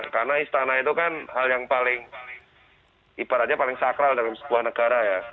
karena istana itu kan hal yang paling ibaratnya paling sakral dalam sebuah negara ya